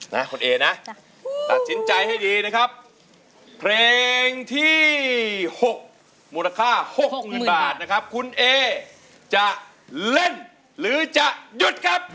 นะคุณเอนะตัดสินใจให้ดีนะครับเพลงที่๖มูลค่า๖๐๐๐บาทนะครับคุณเอจะเล่นหรือจะหยุดครับ